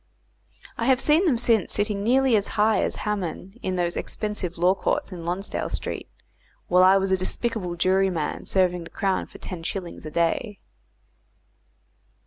I have seen them since sitting nearly as high as Haman in those expensive Law courts in Lonsdale Street, while I was a despicable jury man serving the Crown for ten shillings a day.